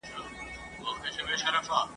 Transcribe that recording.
اوسېده په یوه کورکي له کلونو ..